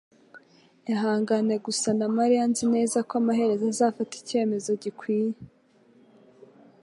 Ihangane gusa na mariya Nzi neza ko amaherezo azafata icyemezo gikwiye